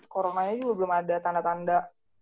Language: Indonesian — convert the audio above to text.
coronanya juga belum ada tanda tanda